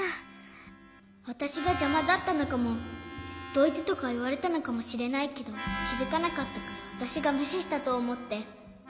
わたしがじゃまだったのかも「どいて」とかいわれたのかもしれないけどきづかなかったからわたしがむししたとおもって。